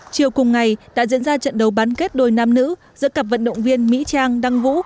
chiều cùng ngày đã diễn ra trận đấu bán kết đôi nam nữ giữa cặp vận động viên mỹ trang đăng vũ